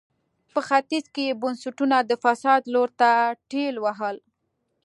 په ختیځ کې یې بنسټونه د فساد لور ته ټېل وهل.